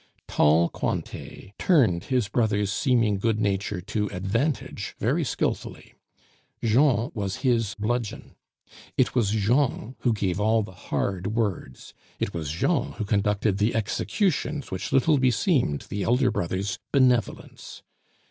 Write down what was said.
Tall Cointet turned his brother's seeming good nature to advantage very skilfully. Jean was his bludgeon. It was Jean who gave all the hard words; it was Jean who conducted the executions which little beseemed the elder brother's benevolence.